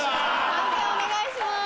判定お願いします。